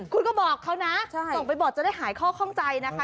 คุณก็บอกเขานะส่งไปบอกจะได้หายข้อข้องใจนะคะ